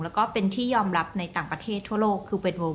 แล้วก็เป็นที่ยอมรับในต่างประเทศทั่วโลก